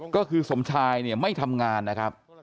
ก็คือสมชายเนี่ยไม่ทำงานนะครับ